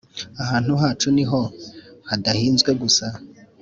ahantu hacu ni ho hadahinzwe gusa.